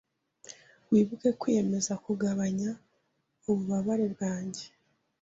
Wibuke kwiyemeza kugabanya ububabare bwanjye